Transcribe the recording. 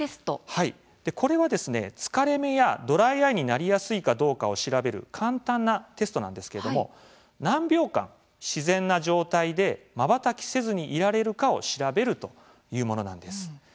これは、疲れ目やドライアイになりやすいかどうかを調べる簡単なテストなんですけれども何秒間、自然な状態でまばたきせずにいられるかを調べるというものなんです。